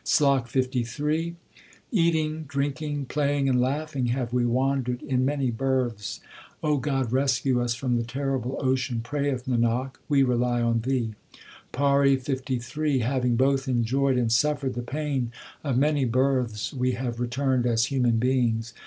SLOK LIII Eating, drinking, playing, and laughing have we wandered in many births ; O God, rescue us from the terrible ocean, prayeth Nanak ; we rely on Thee. PAURI LIII Having both enjoyed and suffered the pain of many births, we have returned as human beings.